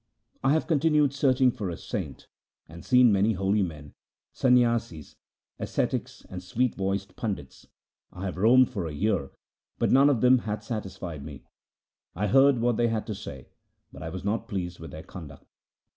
I have continued searching for a saint and seen many holy men — Sanyasis, ascetics, and sweet voiced pandits— I have roamed for a year, but none of them hath satisfied me. I heard what they had to say, but I was not pleased with their conduct.